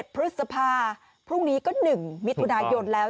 พฤษภาพรุ่งนี้ก็๑มิถุนายนแล้ว